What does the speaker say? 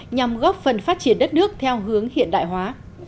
nhằm góp phần phát triển đất nước theo hướng hiện đại hóa